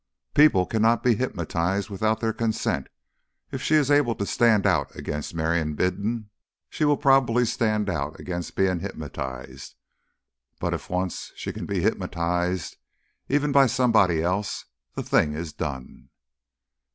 "People cannot be hypnotised without their consent. If she is able to stand out against marrying Bindon, she will probably stand out against being hypnotised. But if once she can be hypnotised even by somebody else the thing is done."